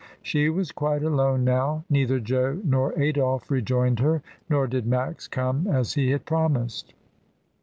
She was quite alone now, neither Jo nor Adolphe rejoined her, nor did Max come as he had promised.